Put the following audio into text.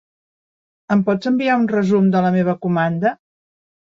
Em pots enviar un resum de la meva comanda?